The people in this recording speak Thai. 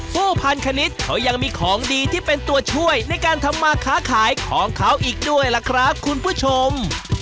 ผู้พันคณิตเขายังมีของดีที่เป็นตัวช่วยในการทำมาค้าขายของเขาอีกด้วยล่ะครับคุณผู้ชม